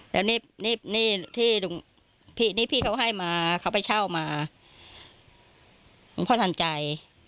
แล้วนี่พี่เขาให้มาเขาไปเช่ามาพ่อสั่นใจ